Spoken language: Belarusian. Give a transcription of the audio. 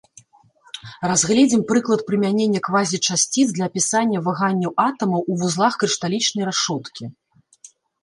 Разгледзім прыклад прымянення квазічасціц для апісання ваганняў атамаў ў вузлах крышталічнай рашоткі.